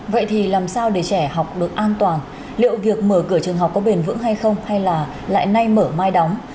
vậy thì làm sao để trẻ học được an toàn liệu việc mở cửa trường học có bền vững hay không hay là lại nay mở mai đóng